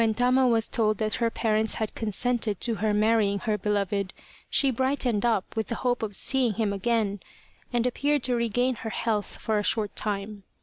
When Tama was told that her parents had consented to her marrying her beloved, she brightened up with the hope of seeing him again, and appeared to regain her health for a short time.